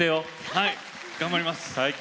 はい頑張ります。